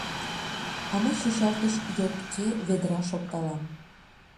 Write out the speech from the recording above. А мый чӱчалтыш йотке ведраш опталам.